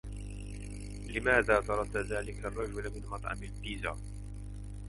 لماذا طردت ذلك الرجل من مطعم البيزا؟